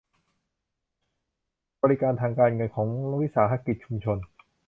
บริการทางการเงินของวิสาหกิจชุมชน